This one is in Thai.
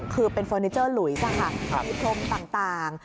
คือเป็นเฟอร์นิเจอร์หลุยมีพรมต่าง